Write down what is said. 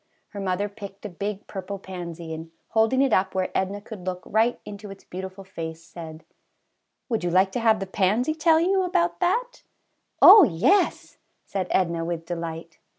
Her mother picked a big purple pansy and, holding it up where Edna could look right into its beautiful face, said: ^ Would you like to have the pansy tell you about that?" ^^Oh, yes," said Edna with delight.